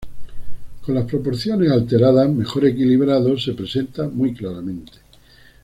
Con las proporciones alteradas, mejor equilibrado, se presenta muy claramente.